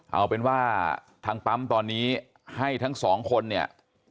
เอาเป็นว่าทางปั๊มตอนนี้ให้ทั้งสองคนเนี่ย